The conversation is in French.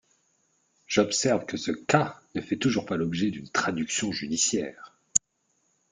J’observe que ce cas ne fait toujours pas l’objet d’une traduction judiciaire.